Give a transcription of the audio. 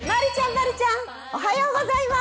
丸ちゃん、丸ちゃん、おはようございます。